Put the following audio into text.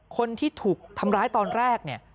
คนที่ถูกทำร้ายตอนแรก